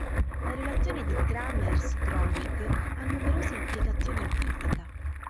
La relazione di Kramers-Kronig ha numerose applicazioni in fisica.